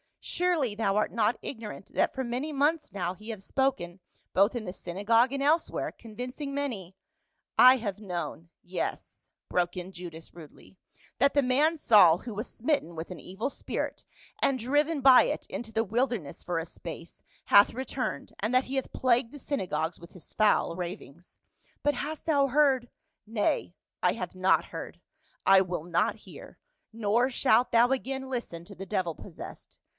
Surely thou art not ignorant that for many months now he hath spoken both in the synagogue and elsewhere, convincing many —"" I have known — yes," broke in Judas rudely, " that the man Saul, who was smitten with an evil spirit, and driven by it into the wilderness for a space, hath re turned, and that he hath plagued the synagogues with his foul ravings." " But hast thou heard —"" Nay, I have not heard. I will not hear. Nor shalt thou again listen to the devil possessed.